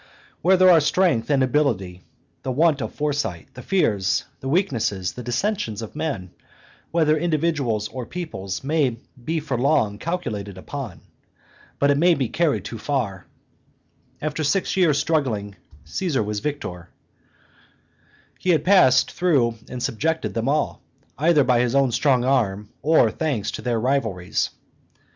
Where there are strength and ability, the want of foresight, the fears, the weaknesses, the dissensions of men, whether individuals or peoples, may be for a long while calculated upon; but it may be carried too far. After six years' struggling Caesar was victor; he had successively dealt with all the different populations of Gaul; he had passed through and subjected them all, either by his own strong arm, or thanks to their rivalries.